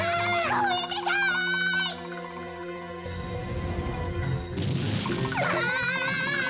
ごめんなさい！わ！